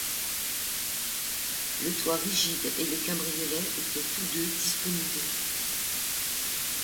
Le toit rigide et le cabriolet étaient tous deux disponibles.